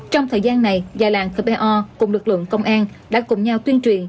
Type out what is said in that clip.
trong thời gian này già làng cpeo cùng lực lượng công an đã cùng nhau tuyên truyền